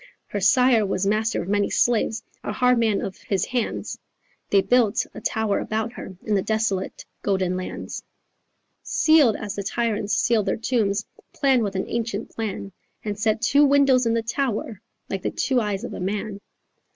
Her sire was master of many slaves A hard man of his hands; They built a tower about her In the desolate golden lands, Sealed as the tyrants sealed their tombs, Planned with an ancient plan, And set two windows in the tower Like the two eyes of a man."